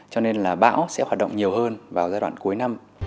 cho nên là bão sẽ hoạt động nhiều hơn vào giai đoạn cuối năm